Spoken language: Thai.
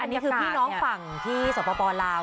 อันนี้คือพี่น้องฝั่งที่สปลาว